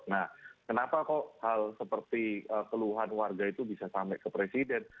nah kenapa kok hal seperti keluhan warga itu bisa sampai ke presiden